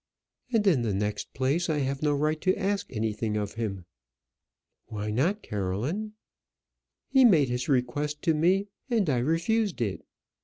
"And in the next place, I have no right to ask anything of him." "Why not, Caroline?" "He made his request to me, and I refused it.